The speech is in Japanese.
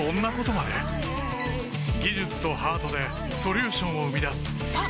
技術とハートでソリューションを生み出すあっ！